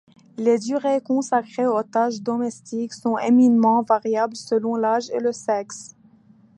Les durées consacrées aux tâches domestiques sont éminemment variables selon l'âge et le sexe.